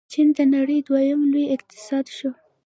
چین د نړۍ دویم لوی اقتصاد شو.